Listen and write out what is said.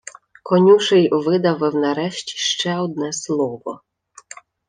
Конюший видавив нарешті ще одне слово: